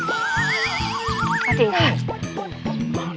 ก็จริงค่ะ